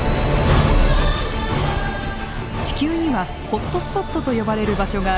地球にはホットスポットと呼ばれる場所があります。